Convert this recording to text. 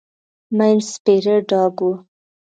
مينځ سپيره ډاګ و.